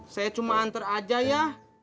saya cuma antar aja ya